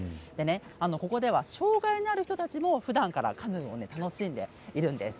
ここでは、障がいのある人たちもふだんからカヌーを楽しんでいるんです。